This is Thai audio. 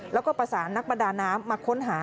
แล้วก็ประสานนักประดาน้ำมาค้นหา